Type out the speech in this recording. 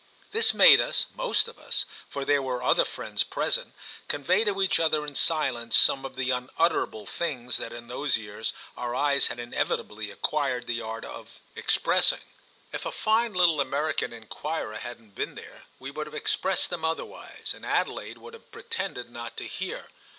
This made us, most of us—for there were other friends present—convey to each other in silence some of the unutterable things that in those years our eyes had inevitably acquired the art of expressing. If a fine little American enquirer hadn't been there we would have expressed them otherwise, and Adelaide would have pretended not to hear.